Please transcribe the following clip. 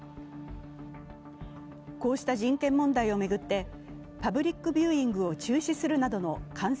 こうした人権問題を巡ってパブリックビューイングを中止するなどの観戦